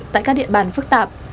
tại các địa bàn phức tạp